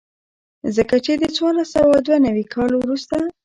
ځکه چې د څوارلس سوه دوه نوي کال وروسته.